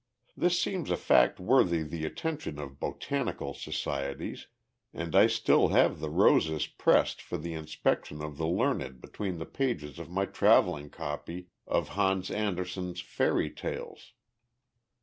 This seems a fact worthy the attention of botanical societies, and I still have the roses pressed for the inspection of the learned between the pages of my travelling copy of Hans Andersen's "Fairy Tales."